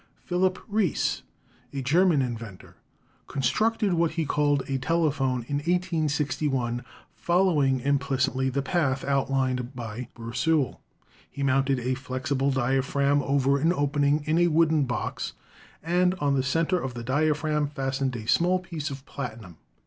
Philip Reis, a German inventor, constructed what he called a telephone in 1861, following implicitly the path outlined by Bourseul. He mounted a flexible diaphragm over an opening in a wooden box, and on the center of the diaphragm fastened a small piece of platinum.